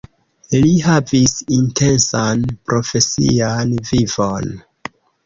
Li havis intensan profesian vivon.